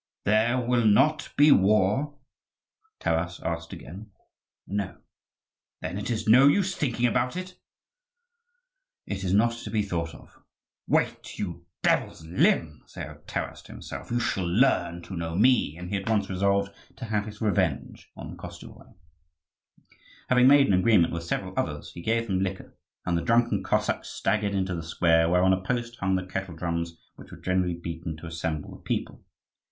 "There will not be war?" Taras asked again. "No." "Then it is no use thinking about it?" "It is not to be thought of." "Wait, you devil's limb!" said Taras to himself; "you shall learn to know me!" and he at once resolved to have his revenge on the Koschevoi. Having made an agreement with several others, he gave them liquor; and the drunken Cossacks staggered into the square, where on a post hung the kettledrums which were generally beaten to assemble the people.